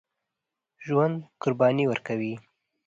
ژوندي قرباني ورکوي